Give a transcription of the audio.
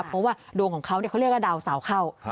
เพราะว่าดวงของเขาเขาเรียกว่าดาวเสาเข้า